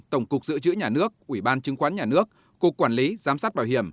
tổng cục giữ chữ nhà nước ủy ban chứng khoán nhà nước cục quản lý giám sát bảo hiểm